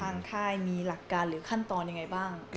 ค่ายมีหลักการหรือขั้นตอนยังไงบ้าง